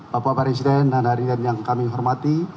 bapak presiden dan hadirin yang kami hormati